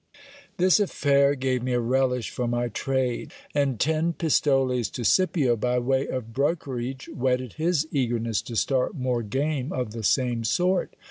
This affair gave me a relish for my trade ; and ten pistoles to Scipio by way of brokerage, whetted his eagerness to start more game of the same sort.